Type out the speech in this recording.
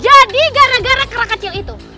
jadi gara gara kerak kecil itu